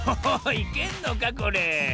いけんのかこれ？